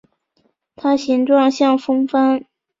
它形状像风帆。